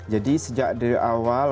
jadi sejak dari awal